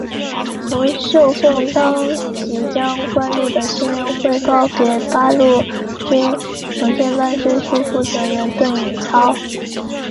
胡绣凤当即将关露的心愿汇报给八路军重庆办事处负责人邓颖超。